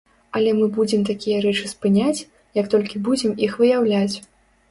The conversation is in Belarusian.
Але мы будзем такія рэчы спыняць, як толькі будзем іх выяўляць.